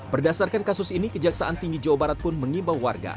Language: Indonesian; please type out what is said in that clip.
berdasarkan kasus ini kejaksaan tinggi jawa barat pun mengimbau warga